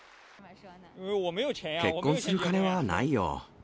結婚する金はないよ。